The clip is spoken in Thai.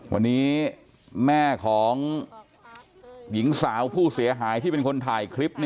วันนี้แม่ของหญิงสาวผู้เสียหายที่เป็นคนถ่ายคลิป